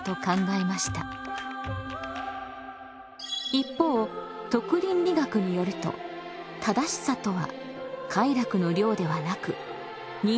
一方徳倫理学によると「正しさ」とは快楽の量ではなく人間としてよい生き方をすること。